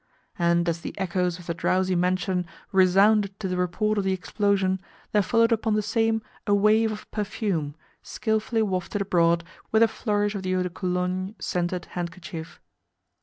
And as the echoes of the drowsy mansion resounded to the report of the explosion there followed upon the same a wave of perfume, skilfully wafted abroad with a flourish of the eau de Cologne scented handkerchief.